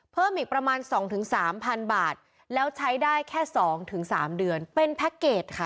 เพิ่มอีกประมาณสองถึงสามพันบาทแล้วใช้ได้แค่สองถึงสามเดือนเป็นแพ็คเกจค่ะ